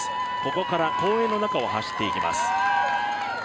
ここから公園の中を走って行きます。